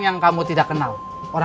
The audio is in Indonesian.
ya udah aku mau pulang